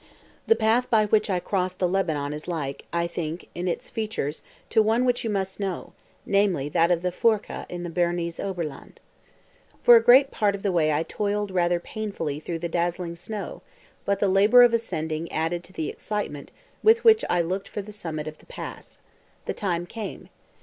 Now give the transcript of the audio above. The path by which I crossed the Lebanon is like, I think, in its features to one which you must know, namely, that of the Foorca in the Bernese Oberland. For a great part of the way I toiled rather painfully through the dazzling snow, but the labour of ascending added to the excitement with which I looked for the summit of the pass. The time came.